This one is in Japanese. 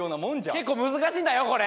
結構難しいんだよこれ。